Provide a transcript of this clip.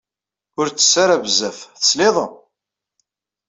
Ur tess ara bezzaf, tesliḍ?